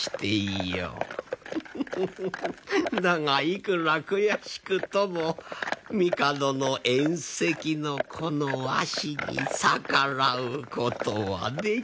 だがいくら悔しくとも帝の縁戚のこのわしに逆らうことはできぬわ。